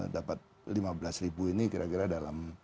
dapat lima belas ribu ini kira kira dalam